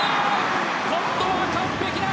今度は完璧だ！